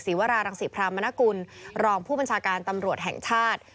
วรารังศิพรามนกุลรองผู้บัญชาการตำรวจแห่งชาติ